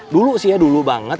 dulu sih ya dulu banget